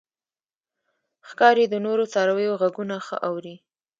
ښکاري د نورو څارویو غږونه ښه اوري.